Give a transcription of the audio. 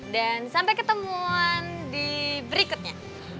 dan sampai ketemuan di berikutnya